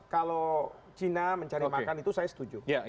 kalau cina mencari makan itu saya setuju